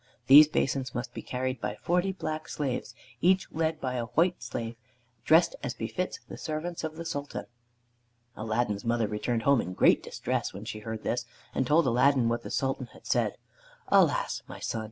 These basins must be carried by forty black slaves, each led by a white slave dressed as befits the servants of the Sultan." Aladdin's mother returned home in great distress when she heard this, and told Aladdin what the Sultan had said. "Alas, my son!"